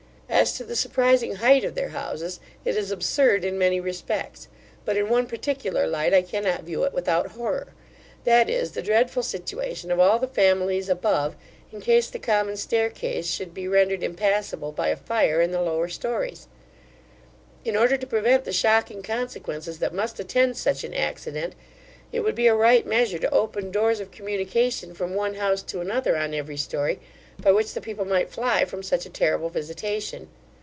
As to the surprising height of their houses, it is absurd in many respects; but in one particular light I cannot view it without horror; that is, the dreadful situation of all the families above, in case the common staircase should be rendered impassable by a fire in the lower stories In order to prevent the shocking consequences that must attend such an accident, it would be a right measure to open doors of communication from one house to another, on every story, by which the people might fly from such a terrible visitation.